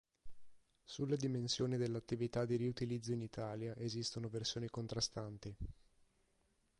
Sulle dimensioni dell'attività di riutilizzo in Italia esistono versioni contrastanti.